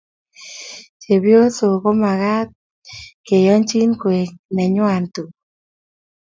Chebyosok komakat keyanjin koek nenywa tuguk.